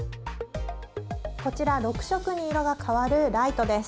こちら６色に色が変わるライトです。